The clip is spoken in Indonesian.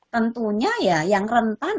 tentunya ya yang rentan